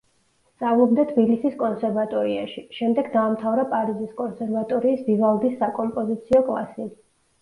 სწავლობდა თბილისის კონსერვატორიაში, შემდეგ დაამთავრა პარიზის კონსერვატორიის ვივალდის საკომპოზიციო კლასი.